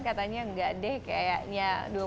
katanya enggak deh kayaknya